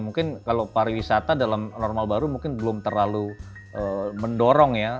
mungkin kalau pariwisata dalam normal baru mungkin belum terlalu mendorong ya